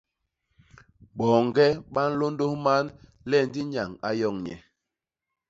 Boñge ba nlôndôs man le ndi nyañ a yoñ nye.